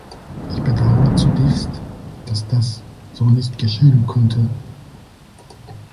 Ich bedaure zutiefst, dass das so nicht geschehen konnte.